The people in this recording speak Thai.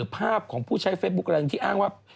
ภาพของผู้ใช้เฟซบุ๊คอะไรที่อ้างว่า